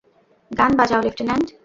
গান বাজাও, লেফটেন্যান্ট!